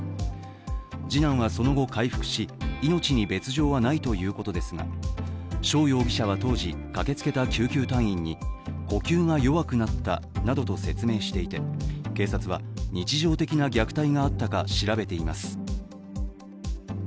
次男はその後回復し、命に別状はないとのことですが、翔容疑者は当時、駆けつけた救急隊員に呼吸が弱くなったなどと説明していて警察は日常的な虐待があったか調べています。